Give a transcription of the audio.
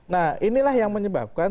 nah inilah yang menyebabkan